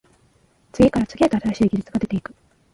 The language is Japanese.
次から次へと新しい技術が出てくる